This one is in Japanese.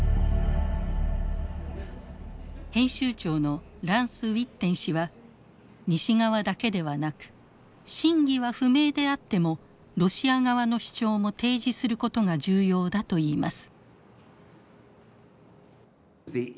編集長のランス・ウィッテン氏は西側だけではなく真偽は不明であってもロシア側の主張も提示することが重要だといいます。